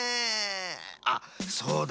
あそうだ。